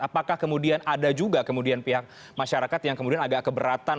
apakah kemudian ada juga kemudian pihak masyarakat yang kemudian agak keberatan